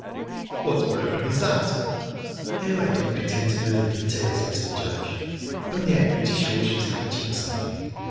"What programme is that?" "Oh, I don't pretend to know the details, Mr. Judge; only I'm pretty sure she's hatching something.